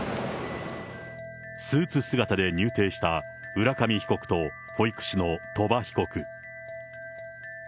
スーツ姿で入廷した浦上被告と保育士の鳥羽被告。